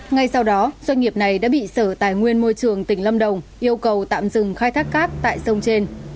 ngay sau đó doanh nghiệp này đã bị sở tài nguyên môi trường tỉnh lâm đồng yêu cầu tạm dừng khai thác cát tại sông trên